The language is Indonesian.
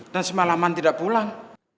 dan semalaman tidak pulang